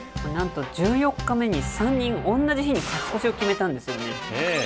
なんと１４日目に３人同じ日に勝ち越しを決めたんですよね。